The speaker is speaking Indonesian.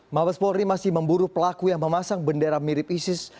mabes polri masih memburu pelaku yang memasang bendera mirip isis